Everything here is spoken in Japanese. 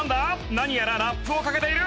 何やらラップをかけている！